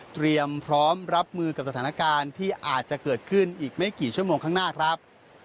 เตรียมพร้อมรับมือกับสถานการณ์ที่อาจจะเกิดขึ้นอีกไม่กี่ชั่วโมงข้างหน้าครับ